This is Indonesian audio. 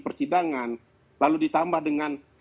persidangan lalu ditambah dengan